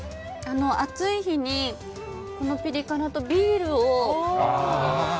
暑い日にこのピリ辛とビールを。